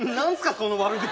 その悪口。